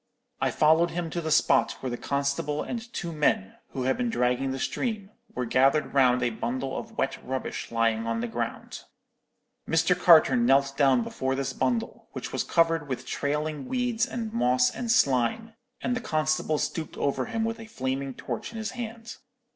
"I followed him to the spot where the constable and two men, who had been dragging the stream, were gathered round a bundle of wet rubbish lying on the ground. "Mr. Carter knelt down before this bundle, which was covered with trailing weeds and moss and slime, and the constable stooped over him with a flaming torch in his hand.